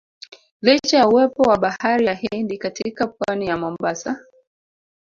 Licha ya uwepo wa bahari ya Hindi katika Pwani ya Mombasa